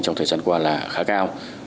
trong thời gian qua là khá cao